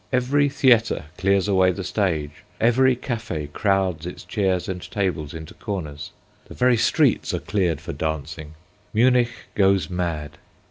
Every theatre clears away the stage, every café crowds its chairs and tables into corners, the very streets are cleared for dancing. Munich goes mad.